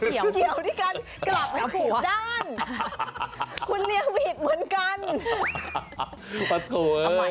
ไม่เกี่ยวที่การกลับหัวด้านคุณเลี้ยงผิดเหมือนกัน